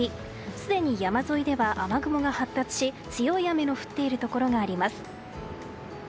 すでに山沿いでは雨雲が発達し強い雨の降っているところがあります。